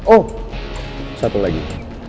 oh satu lagi